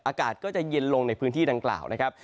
อากาศก็จะเย็นลงในพื้นที่ดังกล่าวนะครับ